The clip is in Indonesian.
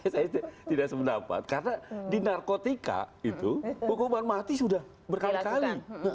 saya tidak sependapat karena di narkotika itu hukuman mati sudah berkali kali